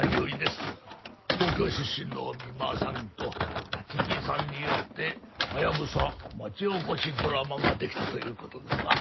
東京出身の三馬さんと立木さんによってハヤブサ町おこしドラマができたという事ですな。